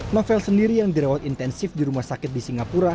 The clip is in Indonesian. novel sendiri yang dirawat intensif di rumah sakit di singapura